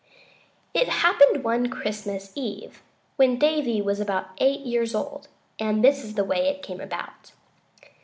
It happened one Christmas eve, when Davy was about eight years old, and this is the way it came about.